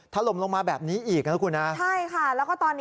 ทะลมลงมาแบบนี้อีก